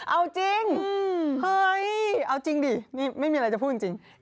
เอาจริงเอาจริงดิไม่มีอะไรจะพูดจริง